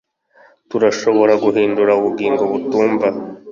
Turashobora guhindura ubugingo butumva